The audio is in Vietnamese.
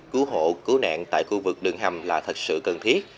cứu hộ cứu nạn tại khu vực đường hầm là thật sự cần thiết